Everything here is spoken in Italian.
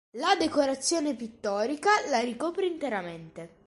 La decorazione pittorica la ricopre interamente.